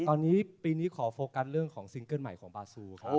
ตอนนี้ขอโฟกัสเรื่องของซิร์กเกิ้ลใหม่ของบาร์ซู